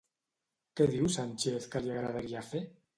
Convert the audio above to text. Què diu Sánchez que li agradaria fer?